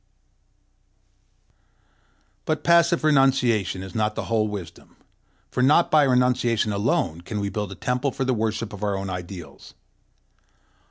But passive renunciation is not the whole wisdom; for not by renunciation alone can we build a temple for the worship of our own ideals.